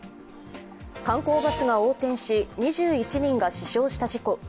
観光バスが横転し２１人が死傷した事故。